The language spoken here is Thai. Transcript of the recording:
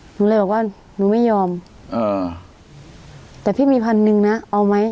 หนูเลยบอกว่าหนูไม่ยอมอ่าแต่พี่มีพันหนึ่งนะเอาไหม